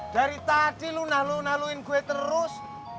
dari tadi lo nalu naluin gue terus